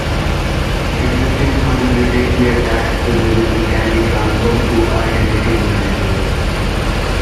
Existing funds retain their tax privileges and can be transferred to alternative managers.